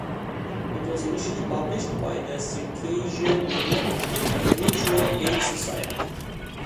It was initially published by the Circassian Union and Mutual Aid Society.